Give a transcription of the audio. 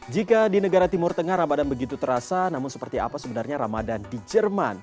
jika di negara timur tengah ramadan begitu terasa namun seperti apa sebenarnya ramadan di jerman